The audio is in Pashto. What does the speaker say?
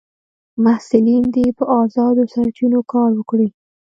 محصلین دي په ازادو سرچینو کار وکړي.